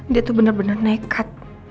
dia tuh bener bener nekat